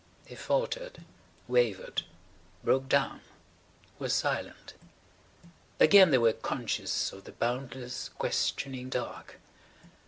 They faltered, wavered, broke down, were silent. Again they were conscious of the boundless, questioning dark.